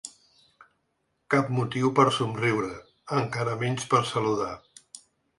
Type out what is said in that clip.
Cap motiu per somriure, encara menys per saludar.